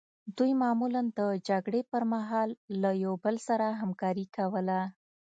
دوی معمولا د جګړې پرمهال له یو بل سره همکاري کوله.